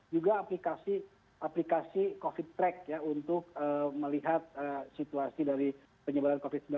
juga aplikasi covid track ya untuk melihat situasi dari penyebaran covid sembilan belas